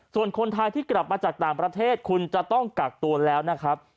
ส่วนคนไทยที่กลับมาจากต่างประเทศคุณจะต้องกักตัวแล้วนะครับ